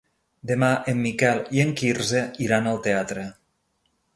Demà en Miquel i en Quirze iran al teatre.